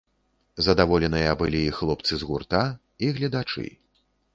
Задаволеныя былі і хлопцы з гурта, і гледачы.